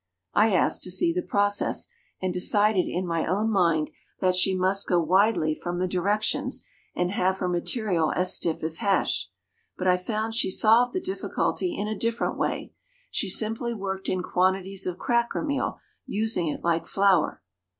I asked to see the process, and decided in my own mind that she must go widely from the directions, and have her material as stiff as hash; but I found she solved the difficulty in a different way: she simply worked in quantities of cracker meal, using it like flour.